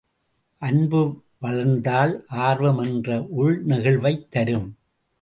அன்பு வளர்ந்தால் ஆர்வம் என்ற உள்நெகிழ்வைத் தரும்.